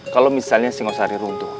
kalau misalnya singosari runtuh